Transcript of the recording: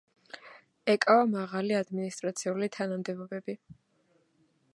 ეკავა მაღალი ადმინისტრაციული თანამდებობები.